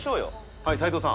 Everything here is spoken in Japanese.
はい齊藤さん。